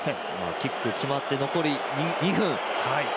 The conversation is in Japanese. キック決まって残り２分。